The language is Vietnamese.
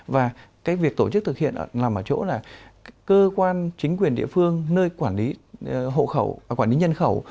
và cái việc tổ chức thực hiện nằm ở chỗ là cơ quan chính quyền địa phương nơi quản lý hộ khẩu quản lý nhân khẩu